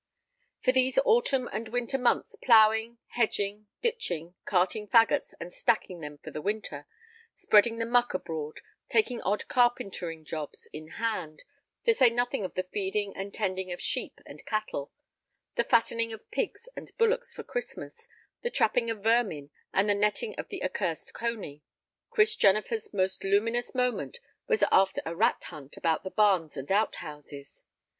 For these autumn and winter months ploughing, hedging, ditching, carting fagots and stacking them for the winter, spreading the muck abroad, taking odd carpentering jobs in hand, to say nothing of the feeding and tending of sheep and cattle, the fattening of pigs and bullocks for Christmas, the trapping of vermin, and the netting of the accursed cony. Chris Jennifer's most luminous moment was after a rat hunt about the barns and out houses.